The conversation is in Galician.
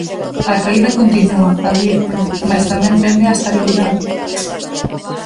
A caída continúa, advirten, mais tamén tende á estabilidade.